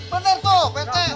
benar tuh pak rt